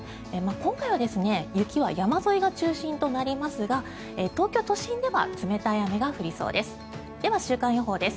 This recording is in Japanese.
今回は雪は山沿いが中心となりますが東京都心では冷たい雨が降りそうです。